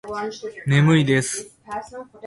眠いです